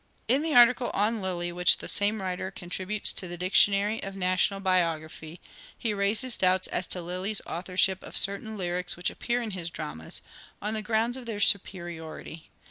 In the article on Lyly which the same writer contributes to the Dictionary of National Biography he raises doubts as to Lyly's authorship of certain lyrics which appear in his dramas — on the grounds of their superiority.